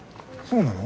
そうなの？